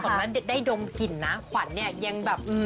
นั้นได้ดมกลิ่นนะขวัญเนี่ยยังแบบ